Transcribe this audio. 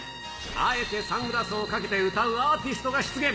あえてサングラスをかけて歌うアーティストが出現。